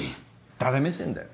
誰目線だよ。